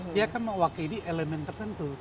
dia akan mewakili elemen tertentu